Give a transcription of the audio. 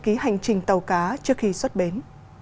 tỉnh bình thuận đã triển khai nhiều tàu cá trước khi xuất bến